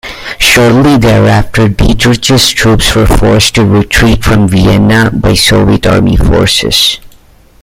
Shortly thereafter, Dietrich's troops were forced to retreat from Vienna by Soviet Army forces.